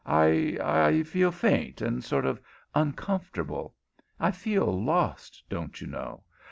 I I feel faint, and sort of uncomfortable. I feel lost, don't you know.